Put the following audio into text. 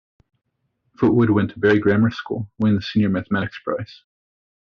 Foote Wood went to Bury Grammar School, winning the Senior Mathematics prize.